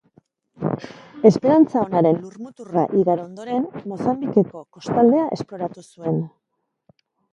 Esperantza Onaren lurmuturra igaro ondoren, Mozambikeko kostaldea esploratu zuen.